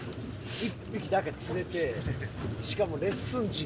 １匹だけ釣れてしかもレッスン時に。